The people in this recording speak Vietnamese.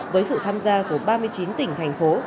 với sự tham gia của ba mươi chín tỉnh thành phố